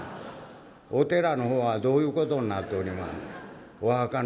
「お寺の方はどういうことになっておりまんねん？」。